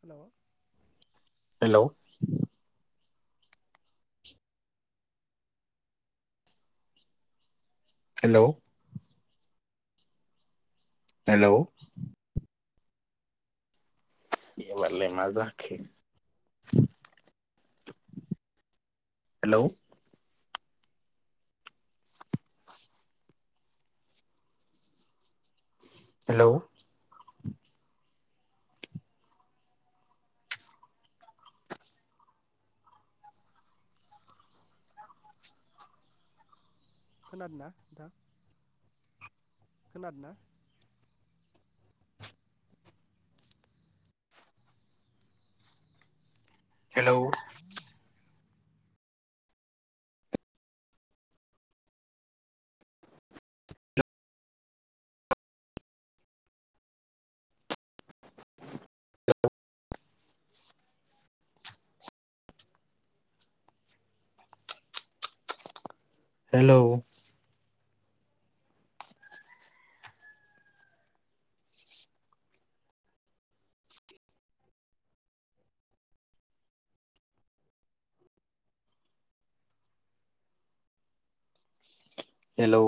Hello hello. Hello hello एबारलाय मा जाखो हेलौ हेलौ खोनादोंना? नोंथां खोनादोंना? Hello [unintelligible] hello. हेलौ